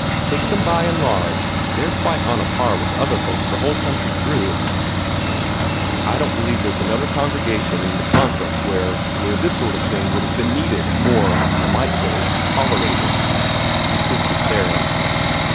Take them by and large, they're quite on a par with other folks the whole country through." "I don't believe there's another congregation in the Conference where where this sort of thing would have been needed, or, I might say, tolerated," insisted Theron.